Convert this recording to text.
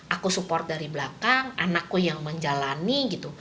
aku support dari belakang anakku yang menjalani gitu